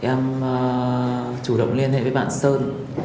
em chủ động liên hệ với bạn sơn